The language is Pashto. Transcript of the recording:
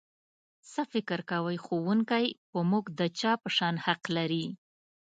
څه فکر کوئ ښوونکی په موږ د چا په شان حق لري؟